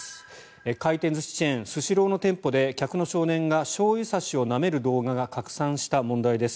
回転寿司チェーン、スシローの店舗で客の少年がしょうゆ差しをなめる動画が拡散した問題です。